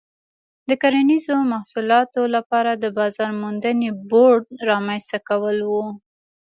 د کرنیزو محصولاتو لپاره د بازار موندنې بورډ رامنځته کول و.